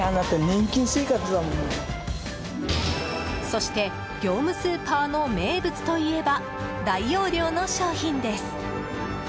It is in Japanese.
そして業務スーパーの名物といえば大容量の商品です。